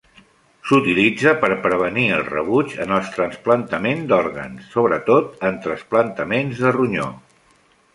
S'utilitza per prevenir el rebuig en el trasplantament d'òrgans, sobretot en trasplantaments de ronyó.